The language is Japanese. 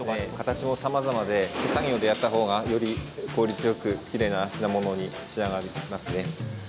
形もさまざまで手作業でやったほうがより、効率よくきれいな品物に仕上がりますね。